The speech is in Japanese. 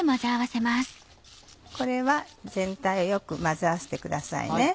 これは全体をよく混ぜ合わせてくださいね。